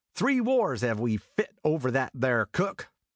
Three wars have we fit over that there cook."